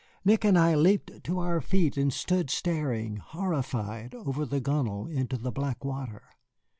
Nick and I leaped to our feet and stood staring, horrified, over the gunwale into the black water.